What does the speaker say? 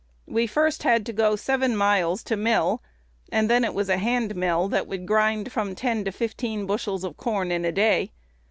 "We first had to go seven miles to mill; and then it was a hand mill that would grind from ten to fifteen bushels of corn in a day.